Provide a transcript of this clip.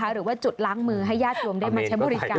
หรือว่าจุดล้างมือให้ญาติโยมได้มาใช้บริการ